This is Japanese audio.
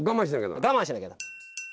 我慢しなきゃ駄目。